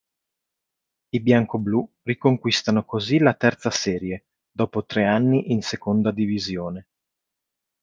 I biancoblu riconquistano così la terza serie dopo tre anni in Seconda Divisione.